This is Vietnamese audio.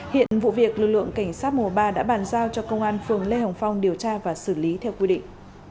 hiện vụ việc lực lượng cảnh sát mùa ba đã bàn giao cho công an phường lê hồng phong điều tra và xử lý theo quy định